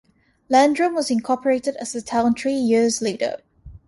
Landrum was incorporated as a town three years later.